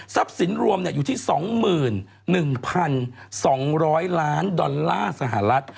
ทรัพย์สินรวมเนี่ยอยู่ที่๒๑๒๐๐ล้านดอลลาร์สหรัฐ